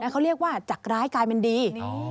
เขาเรียกว่าจากร้ายกลายเป็นดี